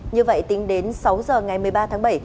như vậy tính đến sáu giờ ngày một mươi ba tháng bảy